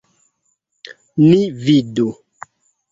Ni vidu!